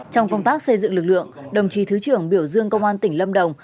trong công tác xây dựng lực lượng đồng chí thứ trưởng biểu dương công an tỉnh lâm đồng